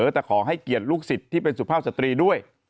แต่ขอให้เกียรติลูกศิษย์ที่เป็นสุภาพสตรีด้วย